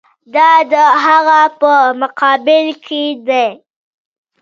دا د هغه په مقابل کې دي.